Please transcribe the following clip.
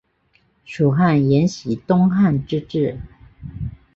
蜀汉沿袭东汉之制。